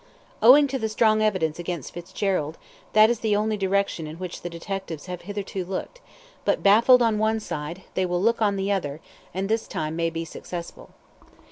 Owing to the strong evidence against Fitzgerald, that is the only direction in which the detectives have hitherto looked, but baffled on one side, they will look on the other, and this time may be successful.